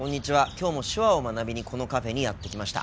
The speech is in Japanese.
きょうも手話を学びにこのカフェにやって来ました。